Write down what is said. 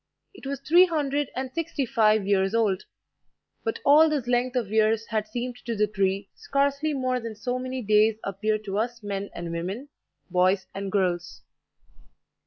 It was three hundred and sixty five years old; but all this length of years had seemed to the tree scarcely more than so many days appear to us men and women, boys and girls.